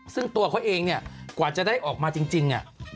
ซึ่งตัวเขาเองเนี่ยกว่าจะได้ออกมาจริง